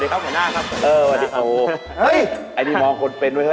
เฮ้ยไอ้นี่มาวงคนเป็นด้วยเฮ้ย